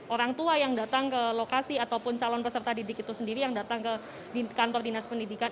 orang tua yang datang ke lokasi ataupun calon peserta didik itu sendiri yang datang ke kantor dinas pendidikan